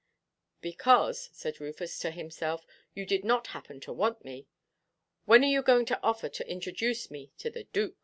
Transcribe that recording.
"Because," said Rufus to himself, "you did not happen to want me; when are you going to offer to introduce me to 'the Dook?